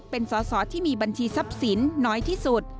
เป็นสอสอที่มีบัญชีทรัพย์สินน้อยที่สุด